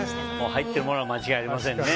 入ってるものは間違いありませんね。